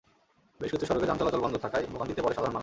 বেশ কিছু সড়কে যান চলাচল বন্ধ থাকায় ভোগান্তিতে পড়ে সাধারণ মানুষ।